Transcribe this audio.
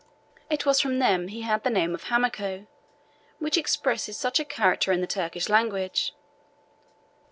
It was from them he had the name of Hamako, which expresses such a character in the Turkish language.